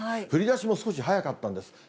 降りだしも少し早かったんです。